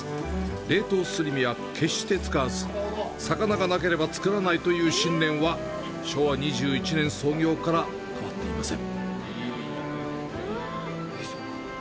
冷凍すり身は決して使わず魚がなければ作らないという信念は昭和２１年創業から変わりません。